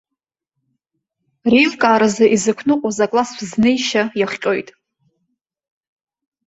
Реилкааразы изықәныҟәоз акласстә знеишьа иахҟьоит.